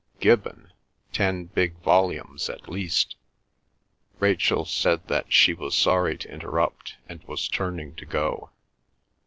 "Gibbon! Ten big volumes at least." Rachel said that she was sorry to interrupt, and was turning to go.